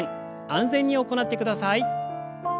安全に行ってください。